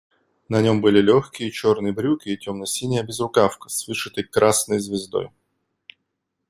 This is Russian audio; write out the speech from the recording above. На нем были легкие черные брюки и темно-синяя безрукавка с вышитой красной звездой.